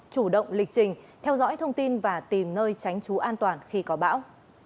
chủ động lịch trình theo dõi thông tin và tìm nơi tránh trú an toàn khi có bão